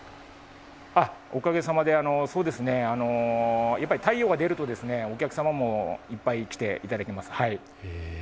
おかげさまで、太陽が出るとお客様もいっぱい来ていただけます。